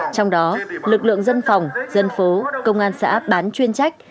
trong đó lực lượng dân phòng dân phố công an xã bán chuyên trách